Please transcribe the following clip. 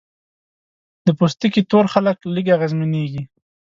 د پوستکي تور خلک لږ اغېزمنېږي.